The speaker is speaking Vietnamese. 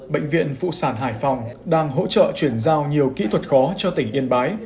bệnh viện phụ sản hải phòng đang hỗ trợ chuyển giao nhiều kỹ thuật khó cho tỉnh yên bái